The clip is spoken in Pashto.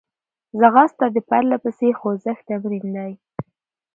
ځغاسته د پرلهپسې خوځښت تمرین دی